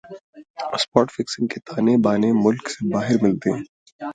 spot fixing کے تانے بانے ملک سے باہر ملتےہیں